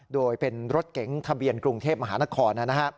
โดยเป็นรถเก๋งทะเบียนกรุงเทพมหานคร